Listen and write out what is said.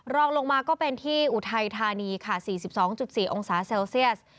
รองลงมาก็เป็นที่อุทัยธานีค่ะ๔๒๔องศาเซลเซียส